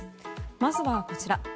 まずはこちら。